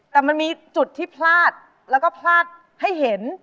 แต่มันมีจุดที่พลาดแล้วก็พลาดให้เห็น